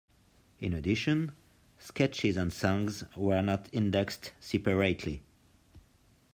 In addition, sketches and songs were not indexed separately.